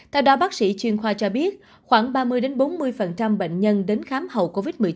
theo đó bác sĩ chuyên khoa cho biết khoảng ba mươi bốn mươi bệnh nhân đến khám hậu covid một mươi chín